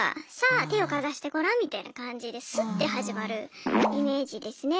手をかざしてごらんみたいな感じでスッて始まるイメージですね。